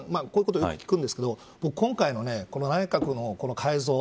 こういうことよく聞くんですが今回の内閣の改造